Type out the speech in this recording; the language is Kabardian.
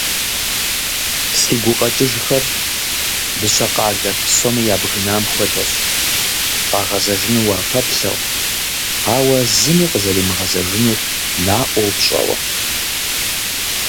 Си гукъэкӏыжхэр дыщэ къалэ псоми ябгынам хуэдэщ, къагъэзэжыну уапэплъэу, ауэ зыми къызэримыгъэзэжынур наӏуэу пщӏэуэ.